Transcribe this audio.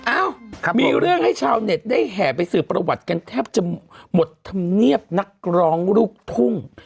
อ้าวมีเรื่องให้ชาวเน็ตได้แห่ไปสื่อประวัติกันแทบจะหมดธรรมเนียบนักร้องลูกทุ่ง